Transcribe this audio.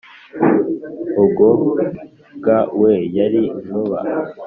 urwoga we yari inkuba